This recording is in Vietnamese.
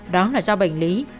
đó là do bệnh lý